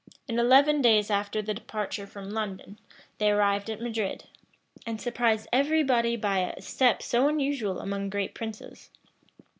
In eleven days after their departure from London, they arrived at Madrid; and surprised every body by a step so unusual among great princes.